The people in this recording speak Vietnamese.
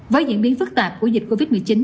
với diễn biến phức tạp của dịch covid một mươi chín